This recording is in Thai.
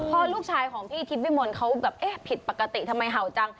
พอลูกชายของพี่ทิพย์วิมลเขาแบบเอ๊ะผิดปกติทำไมเห่าจัง